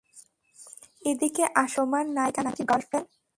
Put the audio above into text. এদিকে আসো, তোমার নাইকা নাকি গার্ল ফ্রেন্ড?